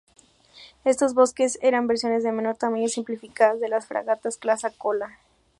Estos buques eran versiones de menor tamaño y simplificadas de las fragatas Clase Kola.